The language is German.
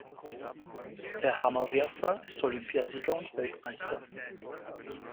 Der Hammerwerfer ist Olympiasieger und Weltmeister.